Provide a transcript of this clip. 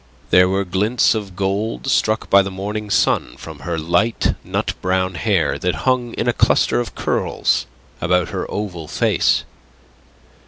There were glints of gold struck by the morning sun from her light nut brown hair that hung in a cluster of curls about her oval face.